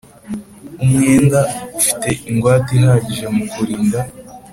Umwenda ufite ingwate ihagije mu kurinda